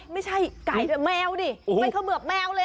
ไม่ใช่ไก่แต่แมวดิมันเขมือบแมวเลย